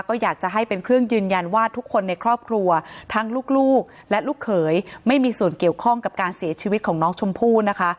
ก็อยากจะให้เป็นเครื่องยืนยันว่าทุกคนในครอบครัวทั้งลูกและลูกเขยไม่มีส่วนเกี่ยวข้องกับการเสียชีวิตของน้องชมพู่นะคะ